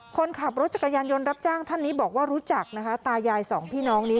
คนขับรถจักรยานยนต์รับจ้างท่านนี้บอกว่ารู้จักนะคะตายายสองพี่น้องนี้